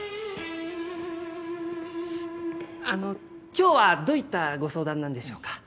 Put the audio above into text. あの今日はどういったご相談なんでしょうか。